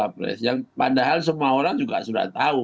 padahal semua orang juga sudah tahu